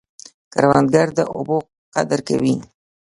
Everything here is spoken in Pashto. کروندګر د اوبو قدر کوي